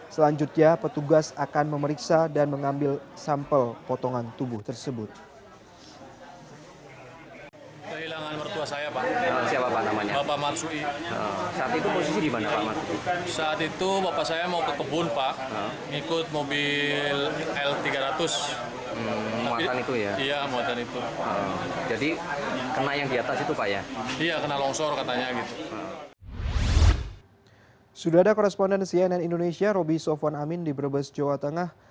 sudah ada korespondensi ann indonesia roby sofwan amin di brebes jawa tengah